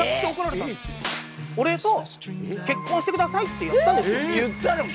「俺と結婚してください」ってやったんですよ。